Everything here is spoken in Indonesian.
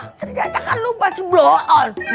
ternyata kan lu masih blow on